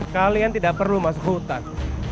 kalian tidak perlu masuk hutan